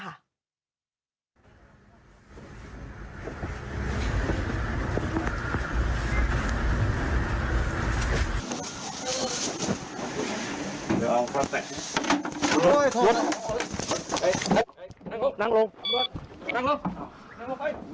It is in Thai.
หลักฝั่งไปตำรวจ